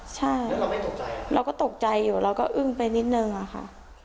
ใช่เราก็ตกใจอยู่เราก็อึ้งไปนิดนึงอะค่ะ